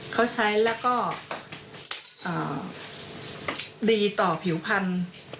เขาใช้แล้วก็ดีต่อผิวพันธุ์